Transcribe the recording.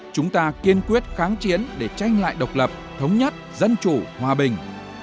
chúng ta kiên quyết kháng chiến để tranh lại độc lập thống nhất dân chủ hòa bình